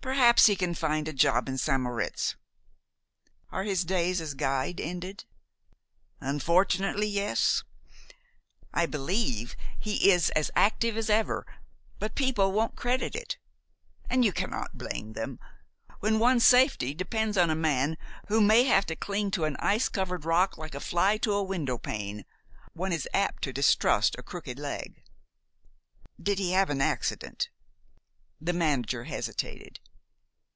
Perhaps he can find a job in St. Moritz." "Are his days as guide ended?" "Unfortunately, yes. I believe he is as active as ever; but people won't credit it. And you cannot blame them. When one's safety depends on a man who may have to cling to an ice covered rock like a fly to a window pane, one is apt to distrust a crooked leg." "Did he have an accident?" The manager hesitated.